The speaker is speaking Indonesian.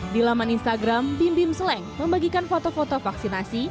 di laman instagram bim bim seleng membagikan foto foto vaksinasi